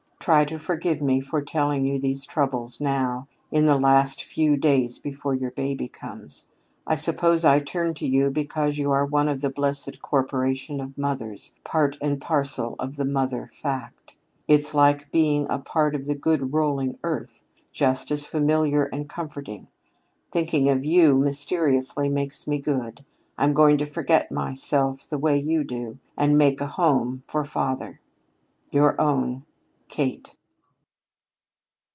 Try to forgive me for telling you these troubles now in the last few days before your baby comes. I suppose I turn to you because you are one of the blessed corporation of mothers part and parcel of the mother fact. It's like being a part of the good rolling earth, just as familiar and comforting. Thinking of you mysteriously makes me good. I'm going to forget myself, the way you do, and 'make a home' for father. "Your own KATE."